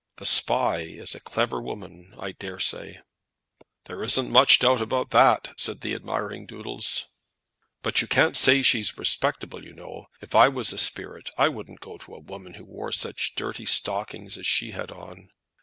The Spy is a clever woman I daresay " "There isn't much doubt about that," said the admiring Doodles. "But you can't say she's respectable, you know. If I was a spirit I wouldn't go to a woman who wore such dirty stockings as she had on."